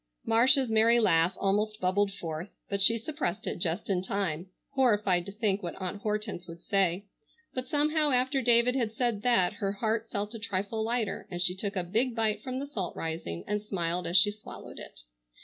Marcia's merry laugh almost bubbled forth, but she suppressed it just in time, horrified to think what Aunt Hortense would say, but somehow after David had said that her heart felt a trifle lighter and she took a big bite from the salt rising and smiled as she swallowed it.